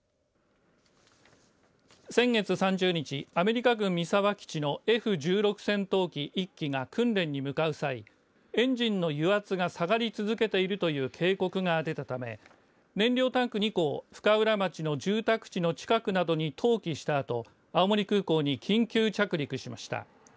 先月３０日アメリカ軍三沢基地のＦ１６戦闘機１機が訓練に向かう際、エンジンの油圧が下がり続けているという警告が出たため、燃料タンク２個を深浦町の住宅地の近くなどに投機したあと青森空港に緊急着陸しました。